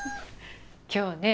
今日ね